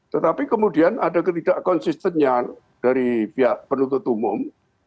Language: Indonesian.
tetapi kemudian ada ketidak konsistennya dari pihak penuntut umum